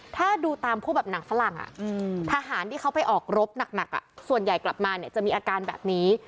ถ้าดูตามพวกแบบหนังฝรั่งทหารที่เขาไปออกรบหนักส่วนใหญ่กลับมาเนี่ยจะมีอาการแบบนี้